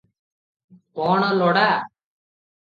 କ’ଣ ଲୋଡ଼ା?